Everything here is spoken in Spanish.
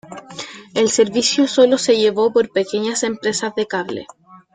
El servicio sólo se llevó por pequeñas empresas de cable.